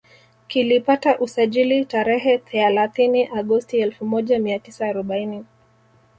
Kilipata usajili tarehe thealathini Agosti elfu moja mia tisa arobaini